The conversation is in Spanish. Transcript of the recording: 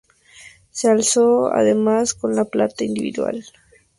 Se alzó además con la plata individual.